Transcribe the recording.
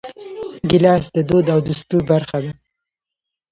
ګیلاس د دود او دستور برخه ده.